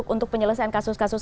untuk penyelesaian kasus kasus